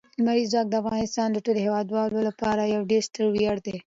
لمریز ځواک د افغانستان د ټولو هیوادوالو لپاره یو ډېر ستر ویاړ دی.